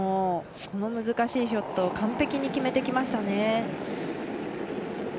この難しいショットを完璧に決めてきましたね。